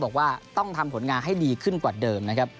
บอกว่าต้องทำผลงานให้ดีขึ้นกว่าเดิมนะครับ